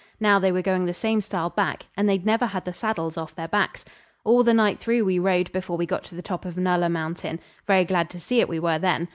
Now they were going the same style back, and they'd never had the saddles off their backs. All the night through we rode before we got to the top of Nulla Mountain; very glad to see it we were then.